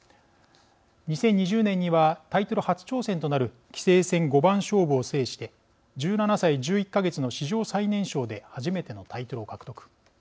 ２０２０年にはタイトル初挑戦となる棋聖戦五番勝負を制して１７歳１１か月の史上最年少で初めてのタイトルを獲得。